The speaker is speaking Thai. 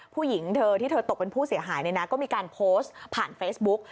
ผู้หญิงเธอที่เธอตกเป็นผู้เสียหายเนี่ยนะก็มีการโพสต์ผ่านเฟซบุ๊ก